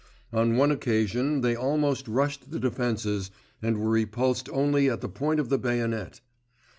On one occasion they almost rushed the defences, and were repulsed only at the point of the bayonet.